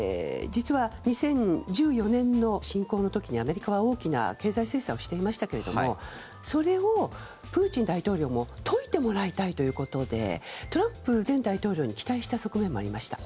実は、２０１４年の侵攻の時にアメリカは大きな経済制裁をしていましたけれどもそれをプーチン大統領も解いてもらいたいということでトランプ前大統領に期待した側面もありました。